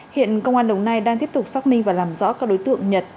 hiện công an đồng nai đang tiếp tục xác minh và làm rõ các đối tượng nhật và mỹ tôm